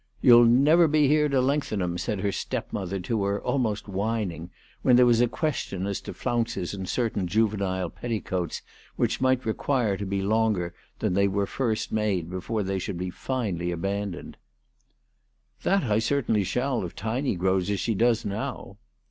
" You'll never be here to lengthen 'em," said her stepmother to her, almost whining, when there was a question as to flounces in certain juvenile petticoats which might require to be longer than they were first made before they should be finally abandoned. " That I certainly shall if Tiny grows as she does now."